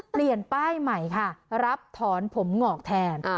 เปลี่ยนป้ายใหม่ค่ะรับถอนผมงอกแทน